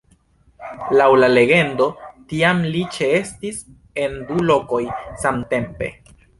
Laŭ la legendo, tiam li ĉeestis en du lokoj samtempe.